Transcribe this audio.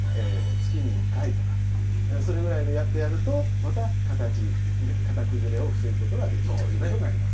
月に１回とかそれぐらいでやってやるとまた形かた崩れを防ぐことができるということになります。